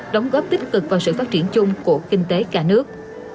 đóng góp tích cực vào sự phát triển chung của kinh tế cả nước